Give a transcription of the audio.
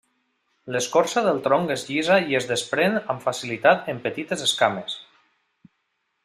L'escorça del tronc és llisa i es desprèn amb facilitat en petites esquames.